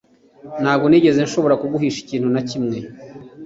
Ntabwo nigeze nshobora kuguhisha ikintu na kimwe